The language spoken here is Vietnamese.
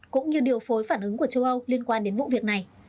cũng như điều phối phản ứng của châu âu liên quan đến vụ việc này